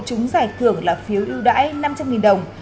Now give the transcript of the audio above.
chúng giải thưởng là phiếu yêu đại năm trăm linh đồng